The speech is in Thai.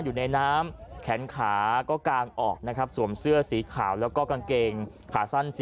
อยู่ในน้ำแขนขาก็กางออกนะครับสวมเสื้อสีขาวแล้วก็กางเกงขาสั้นสี